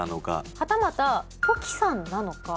はたまた土岐さんなのか？